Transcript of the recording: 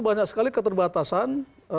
banyak sekali keterbatasan